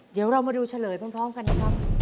เดี๋ยวเรามาดูเฉลยพร้อมกันนะครับ